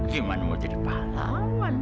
gimana mau jadi pak lawan